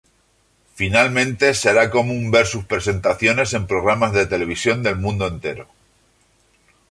Finalmente, será común ver sus presentaciones en programas de televisión del mundo entero.